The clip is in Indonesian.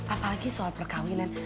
apalagi soal perkawinan